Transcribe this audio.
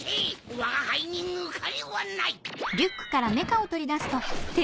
わがはいにぬかりはない！